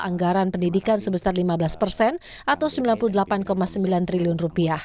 anggaran pendidikan sebesar lima belas persen atau rp sembilan puluh delapan sembilan triliun